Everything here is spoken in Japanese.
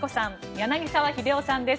柳澤秀夫さんです。